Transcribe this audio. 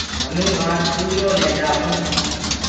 همينٚ وهآنٚ چوڙيو ليندآ هونٚ۔